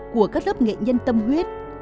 của các lớp nghệ nhân tâm huyết